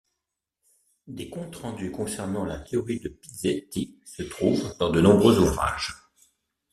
Des comptes-rendus concernant la théorie de Pizzetti se trouvent dans de nombreux ouvrages.